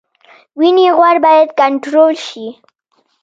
وینې غوړ باید کنټرول شي